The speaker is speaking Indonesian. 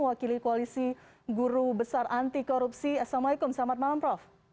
wakili koalisi guru besar anti korupsi assalamualaikum selamat malam prof